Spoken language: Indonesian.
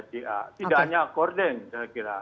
tidak hanya corden saya kira